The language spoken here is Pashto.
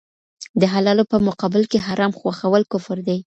د حلالو په مقابل کي حرام خوښول کفر دی.